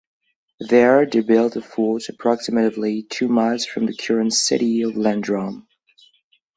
There, they built a fort approximately two miles from the current City of Landrum.